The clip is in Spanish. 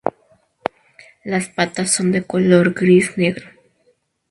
Las patas son de color gris-negro.